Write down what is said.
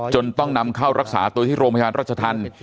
ต้องนำเข้ารักษาตัวที่โรงพยาบาลรัชธรรม